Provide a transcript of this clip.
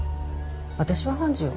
私は判事よ。